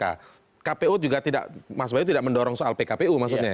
mas bayu juga tidak mendorong soal pkpu